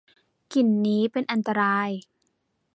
กลิ่นนี้เป็นอันตราย